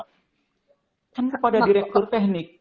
kan kepada direktur teknik